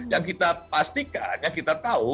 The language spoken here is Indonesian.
yang kita pastikan yang kita tahu